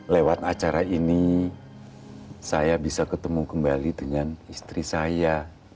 lewat acara ini saya bisa ketemu kembali dengan istri saya